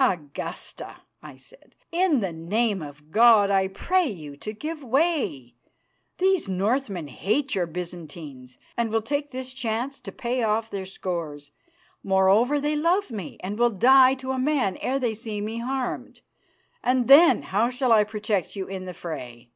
"Augusta," I said, "in the name of God, I pray you to give way. These Northmen hate your Byzantines, and will take this chance to pay off their scores. Moreover, they love me, and will die to a man ere they see me harmed, and then how shall I protect you in the fray?"